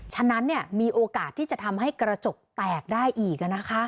ฉะนั้นมีโอกาสที่จะทำให้กระจกแตกได้อีก